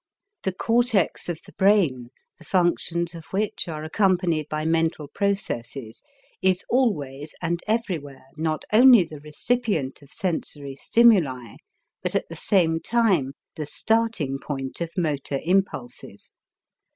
The cortex of the brain, the functions of which are accompanied by mental processes, is always and everywhere not only the recipient of sensory stimuli but at the same time the starting point of motor impulses.